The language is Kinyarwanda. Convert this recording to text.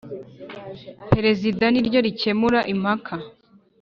Perezida niryo rikemura impaka